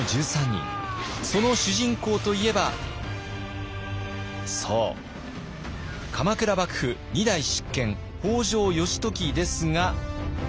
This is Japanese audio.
その主人公といえばそう鎌倉幕府２代執権北条義時ですが。